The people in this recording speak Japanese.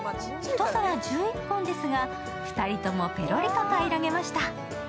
１皿１１本ですが、２人ともペロリと平らげました。